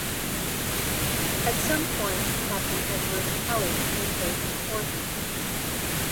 At some point Captain Edward Kelly replaced Boardman.